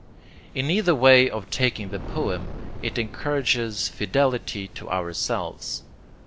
In either way of taking the poem, it encourages fidelity to ourselves.